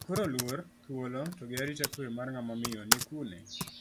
Koro, luor, thuolo to gi arita kwe mar ng'ama miyo ni kune?